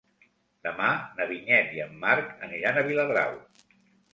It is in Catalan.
Demà na Vinyet i en Marc aniran a Viladrau.